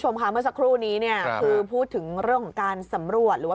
ค่ะเมื่อสักครู่นี้เนี่ยคือพูดถึงเรื่องของการสำรวจหรือว่า